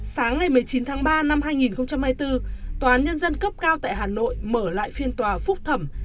sáng ngày một mươi chín tháng ba năm hai nghìn hai mươi bốn tòa án nhân dân cấp cao tại hà nội mở lại phiên tòa phúc thẩm